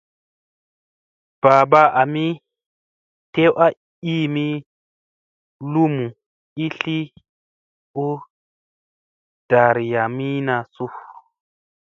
Babaa ,ami tew a iimi lumu ii tilla u ɗarayamina su ?